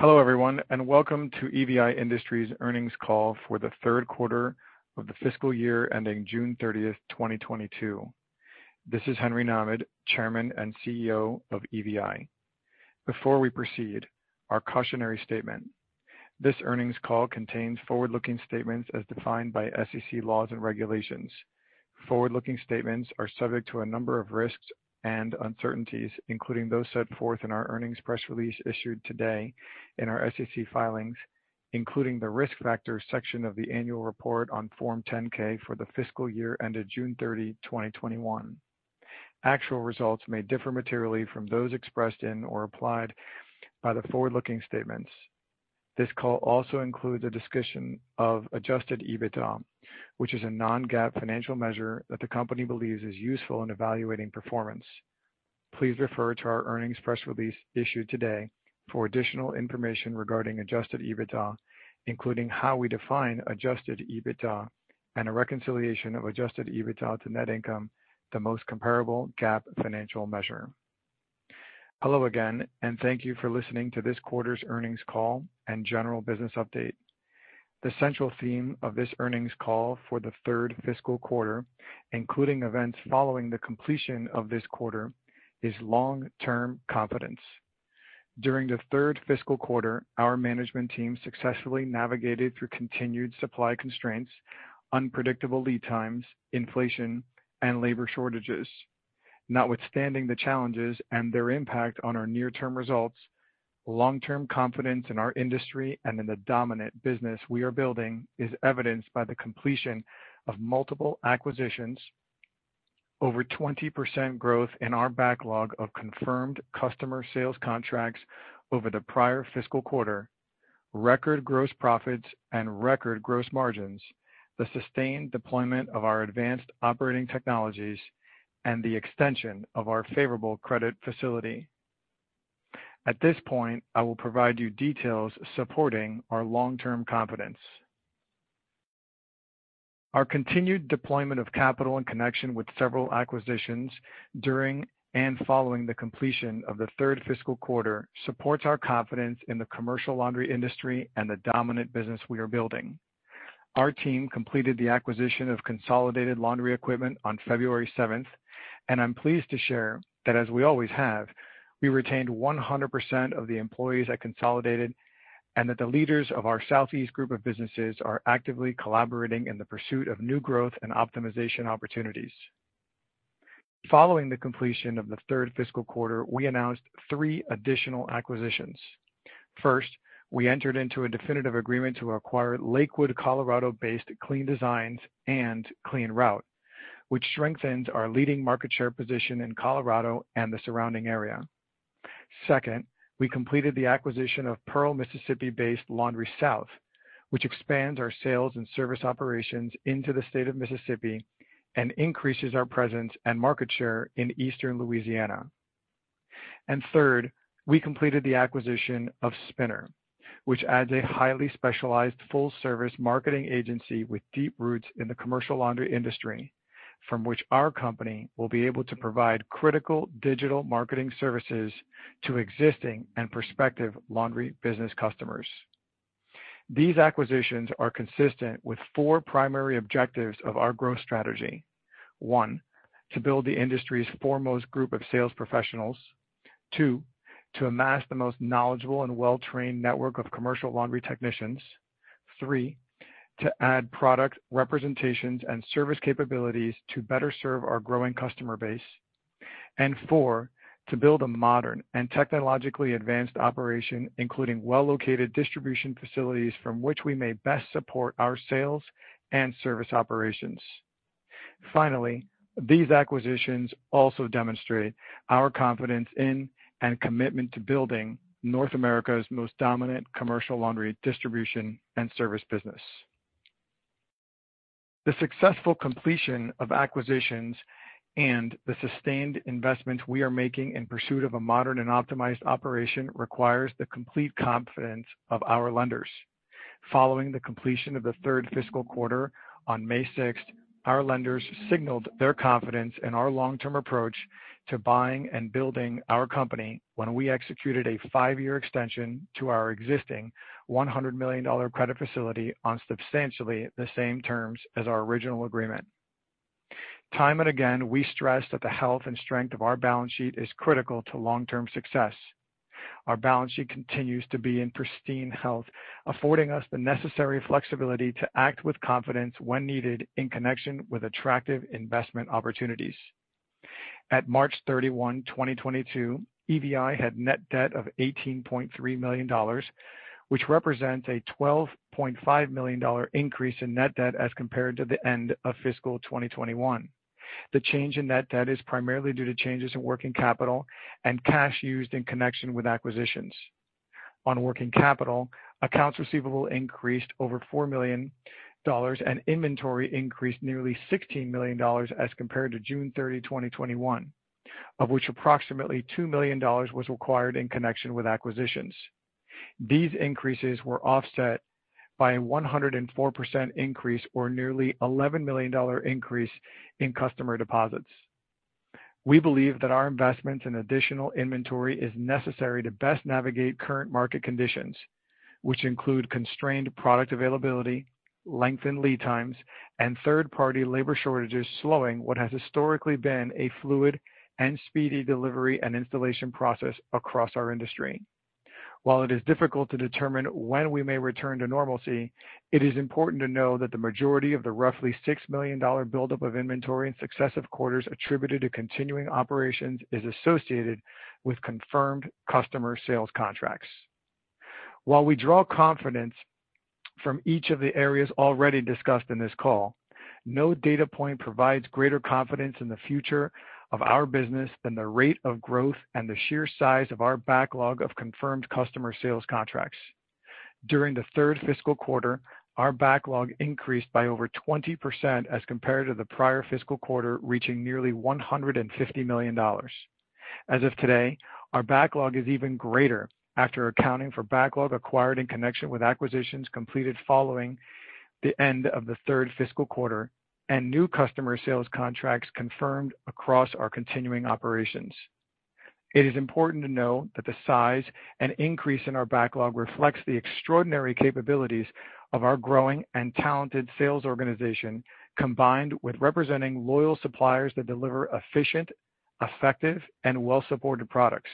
Hello everyone, and welcome to EVI Industries earnings call for the Q3 of the fiscal year ending 30 June 2022. This is Henry Nahmad, Chairman and CEO of EVI. Before we proceed, our cautionary statement. This earnings call contains forward-looking statements as defined by SEC laws and regulations. Forward-looking statements are subject to a number of risks and uncertainties, including those set forth in our earnings press release issued today in our SEC filings, including the Risk Factors section of the annual report on Form 10-K for the fiscal year ended 30 June. Actual results may differ materially from those expressed in or applied by the forward-looking statements. This call also includes a discussion of adjusted EBITDA, which is a non-GAAP financial measure that the company believes is useful in evaluating performance. Please refer to our earnings press release issued today for additional information regarding adjusted EBITDA, including how we define adjusted EBITDA and a reconciliation of adjusted EBITDA to net income, the most comparable GAAP financial measure. Hello again, and thank you for listening to this quarter's earnings call and general business update. The central theme of this earnings call for the third fiscal quarter, including events following the completion of this quarter, is long-term confidence. During the third fiscal quarter, our management team successfully navigated through continued supply constraints, unpredictable lead times, inflation, and labor shortages. Notwithstanding the challenges and their impact on our near-term results, long-term confidence in our industry and in the dominant business we are building is evidenced by the completion of multiple acquisitions, over 20% growth in our backlog of confirmed customer sales contracts over the prior fiscal quarter, record gross profits and record gross margins, the sustained deployment of our advanced operating technologies, and the extension of our favorable credit facility. At this point, I will provide you details supporting our long-term confidence. Our continued deployment of capital in connection with several acquisitions during and following the completion of the third fiscal quarter supports our confidence in the commercial laundry industry and the dominant business we are building. Our team completed the acquisition of Consolidated Laundry Equipment on 7 February, and I'm pleased to share that, as we always have, we retained 100% of the employees at Consolidated, and that the leaders of our Southeast group of businesses are actively collaborating in the pursuit of new growth and optimization opportunities. Following the completion of the third fiscal quarter, we announced three additional acquisitions. First, we entered into a definitive agreement to acquire Lakewood, Colorado-based Clean Designs and Clean Route, which strengthens our leading market share position in Colorado and the surrounding area. Second, we completed the acquisition of Pearl, Mississippi-based Laundry South, which expands our sales and service operations into the state of Mississippi and increases our presence and market share in eastern Louisiana. Third, we completed the acquisition of Spynr, which adds a highly specialized full-service marketing agency with deep roots in the commercial laundry industry, from which our company will be able to provide critical digital marketing services to existing and prospective laundry business customers. These acquisitions are consistent with four primary objectives of our growth strategy. One, to build the industry's foremost group of sales professionals. Two, to amass the most knowledgeable and well-trained network of commercial laundry technicians. Three, to add product representations and service capabilities to better serve our growing customer base. Four, to build a modern and technologically advanced operation, including well-located distribution facilities from which we may best support our sales and service operations. Finally, these acquisitions also demonstrate our confidence in and commitment to building North America's most dominant commercial laundry distribution and service business. The successful completion of acquisitions and the sustained investments we are making in pursuit of a modern and optimized operation requires the complete confidence of our lenders. Following the completion of the third fiscal quarter on 6 May, our lenders signaled their confidence in our long-term approach to buying and building our company when we executed a five-year extension to our existing $100 million credit facility on substantially the same terms as our original agreement. Time and again, we stress that the health and strength of our balance sheet is critical to long-term success. Our balance sheet continues to be in pristine health, affording us the necessary flexibility to act with confidence when needed in connection with attractive investment opportunities. At 31 March 2022, EVI had net debt of $18.3 million, which represents a $12.5 million-dollar increase in net debt as compared to the end of fiscal 2021. The change in net debt is primarily due to changes in working capital and cash used in connection with acquisitions. On working capital, accounts receivable increased over $4 million, and inventory increased nearly $16 million as compared to 30 June 2021, of which approximately $2 million was required in connection with acquisitions. These increases were offset by a 104% increase or nearly $11 million increase in customer deposits. We believe that our investments in additional inventory is necessary to best navigate current market conditions, which include constrained product availability, lengthened lead times, and third-party labor shortages slowing what has historically been a fluid and speedy delivery and installation process across our industry. While it is difficult to determine when we may return to normalcy, it is important to know that the majority of the roughly $6 million buildup of inventory in successive quarters attributed to continuing operations is associated with confirmed customer sales contracts. While we draw confidence from each of the areas already discussed in this call, no data point provides greater confidence in the future of our business than the rate of growth and the sheer size of our backlog of confirmed customer sales contracts. During the third fiscal quarter, our backlog increased by over 20% as compared to the prior fiscal quarter, reaching nearly $150 million. As of today, our backlog is even greater after accounting for backlog acquired in connection with acquisitions completed following the end of the third fiscal quarter and new customer sales contracts confirmed across our continuing operations. It is important to know that the size and increase in our backlog reflects the extraordinary capabilities of our growing and talented sales organization, combined with representing loyal suppliers that deliver efficient, effective, and well-supported products.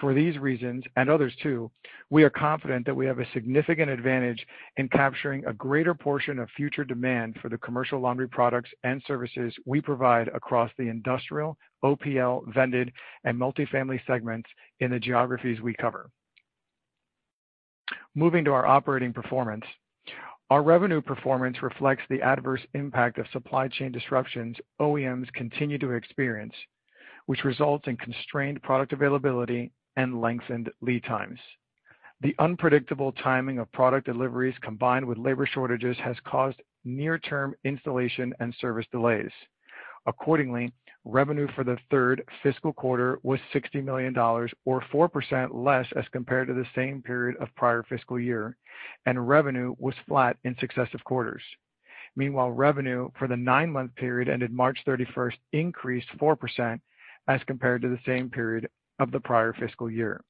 For these reasons, and others too, we are confident that we have a significant advantage in capturing a greater portion of future demand for the commercial laundry products and services we provide across the industrial, OPL, vended, and multi-family segments in the geographies we cover. Moving to our operating performance. Our revenue performance reflects the adverse impact of supply chain disruptions OEMs continue to experience, which results in constrained product availability and lengthened lead times. The unpredictable timing of product deliveries, combined with labor shortages, has caused near term installation and service delays. Accordingly, revenue for the third fiscal quarter was $60 million or 4% less as compared to the same period of prior fiscal year, and revenue was flat in successive quarters. Meanwhile, revenue for the nine-month period ended 31 March increased 4% as compared to the same period of the prior fiscal year.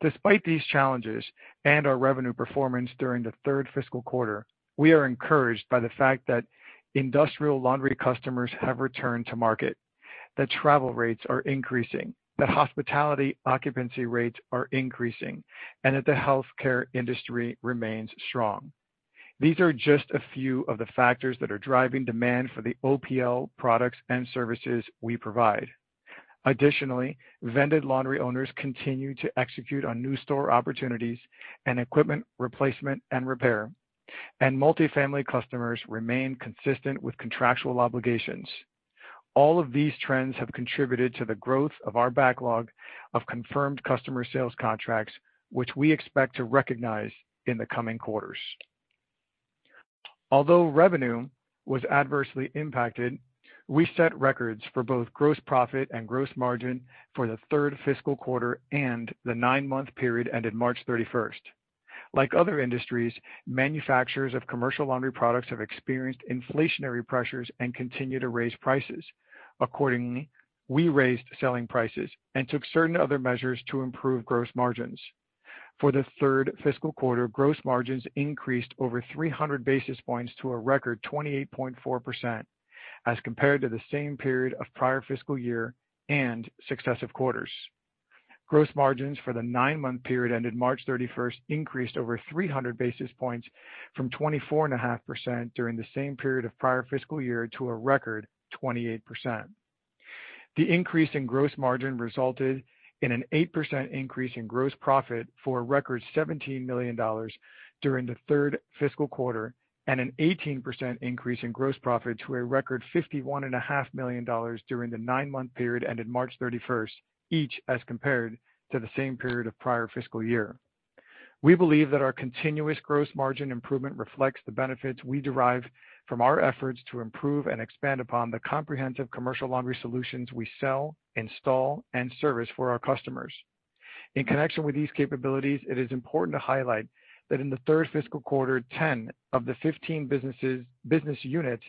Despite these challenges and our revenue performance during the third fiscal quarter, we are encouraged by the fact that industrial laundry customers have returned to market, that travel rates are increasing, that hospitality occupancy rates are increasing, and that the healthcare industry remains strong. These are just a few of the factors that are driving demand for the OPL products and services we provide. Additionally, vended laundry owners continue to execute on new store opportunities and equipment replacement and repair, and multi-family customers remain consistent with contractual obligations. All of these trends have contributed to the growth of our backlog of confirmed customer sales contracts, which we expect to recognize in the coming quarters. Although revenue was adversely impacted, we set records for both gross profit and gross margin for the third fiscal quarter and the nine-month period ended 31 March. Like other industries, manufacturers of commercial laundry products have experienced inflationary pressures and continue to raise prices. Accordingly, we raised selling prices and took certain other measures to improve gross margins. For the third fiscal quarter, gross margins increased over 300 basis points to a record 28.4% as compared to the same period of prior fiscal year and successive quarters. Gross margins for the nine-month period ended 31 March increased over 300 basis points from 24.5% during the same period of prior fiscal year to a record 28%. The increase in gross margin resulted in an 8% increase in gross profit for a record $17 million during the third fiscal quarter, and an 18% increase in gross profit to a record $51.5 million during the nine-month period ended 31 March, each as compared to the same period of prior fiscal year. We believe that our continuous gross margin improvement reflects the benefits we derive from our efforts to improve and expand upon the comprehensive commercial laundry solutions we sell, install, and service for our customers. In connection with these capabilities, it is important to highlight that in the third fiscal quarter, 10 of the 15 business units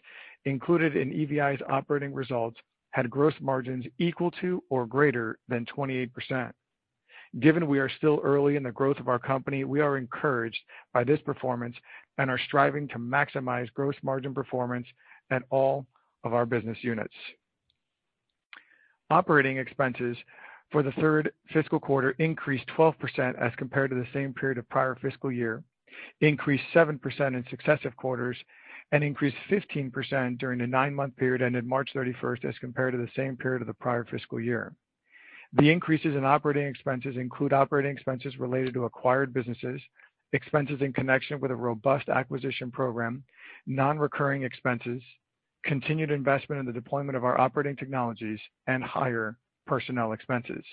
included in EVI's operating results had gross margins equal to or greater than 28%. Given we are still early in the growth of our company, we are encouraged by this performance and are striving to maximize gross margin performance at all of our business units. Operating expenses for the third fiscal quarter increased 12% as compared to the same period of prior fiscal year, increased 7% in successive quarters, and increased 15% during the nine-month period ended 31 March as compared to the same period of the prior fiscal year. The increases in operating expenses include operating expenses related to acquired businesses, expenses in connection with a robust acquisition program, non-recurring expenses, continued investment in the deployment of our operating technologies, and higher personnel expenses.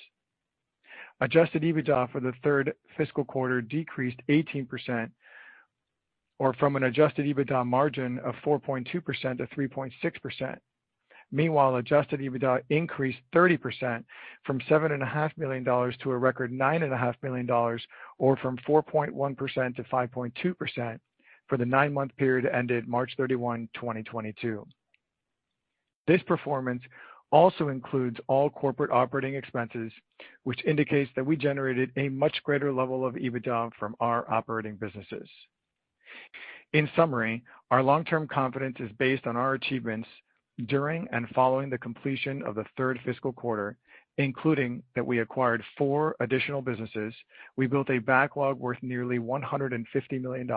Adjusted EBITDA for the third fiscal quarter decreased 18% or from an adjusted EBITDA margin of 4.2% to 3.6%. Meanwhile, adjusted EBITDA increased 30% from $7.5 million to a record $9.5 million, or from 4.1% to 5.2% for the nine-month period ended 31 March 2022. This performance also includes all corporate operating expenses, which indicates that we generated a much greater level of EBITDA from our operating businesses. In summary, our long-term confidence is based on our achievements during and following the completion of the third fiscal quarter, including that we acquired four additional businesses. We built a backlog worth nearly $150 million.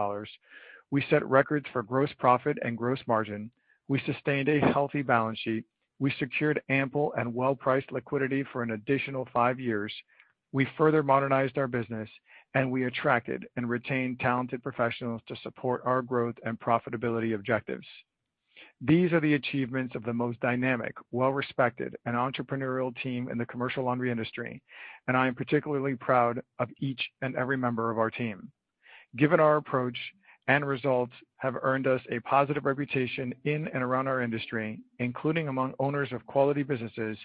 We set records for gross profit and gross margin. We sustained a healthy balance sheet. We secured ample and well-priced liquidity for an additional five years. We further modernized our business. We attracted and retained talented professionals to support our growth and profitability objectives. These are the achievements of the most dynamic, well-respected, and entrepreneurial team in the commercial laundry industry, and I am particularly proud of each and every member of our team. Given our approach and results have earned us a positive reputation in and around our industry, including among owners of quality businesses,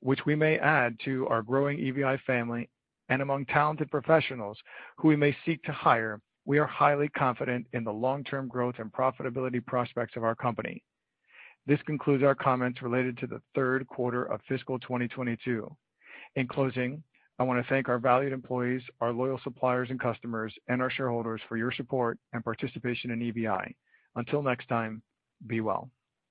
which we may add to our growing EVI family, and among talented professionals who we may seek to hire, we are highly confident in the long-term growth and profitability prospects of our company. This concludes our comments related to the Q3 of fiscal 2022. In closing, I want to thank our valued employees, our loyal suppliers and customers, and our shareholders for your support and participation in EVI. Until next time, be well.